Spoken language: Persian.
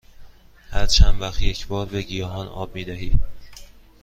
هر چند وقت یک بار به گیاهان آب می دهی؟